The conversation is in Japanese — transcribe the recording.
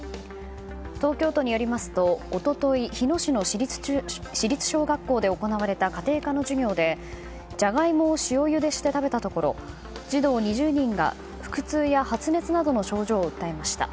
東京都によりますと一昨日、日野市の市立小学校で行われた家庭科の授業でジャガイモを塩ゆでして食べたところ児童２０人が腹痛や発熱などの症状を訴えました。